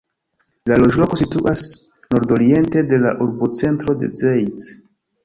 La loĝloko situas nordoriente de la urbocentro de Zeitz.